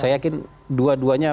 saya yakin dua duanya